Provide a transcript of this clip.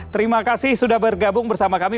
terima kasih sudah bergabung bersama kami